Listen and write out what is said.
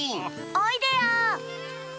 おいでよ！